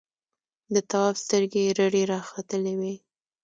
د تواب سترګې رډې راختلې وې.